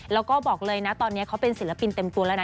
แล้วก็บอกเลยนะตอนนี้เขาเป็นศิลปินเต็มตัวแล้วนะ